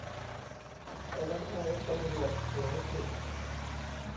แต่ดันเอาตำรวจหลายสิ